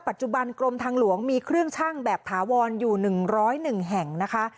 กรมทางหลวงมีเครื่องชั่งแบบถาวรอยู่๑๐๑แห่งนะคะ